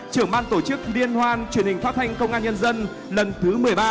trưởng ban tổ chức liên hoan truyền hình phát thanh công an nhân dân lần thứ một mươi ba